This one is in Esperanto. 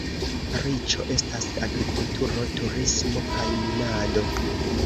Riĉo estas agrikulturo, turismo kaj minado.